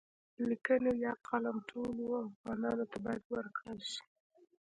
لیکانی يا قلم ټولو افغانانو ته باید ورکړل شي.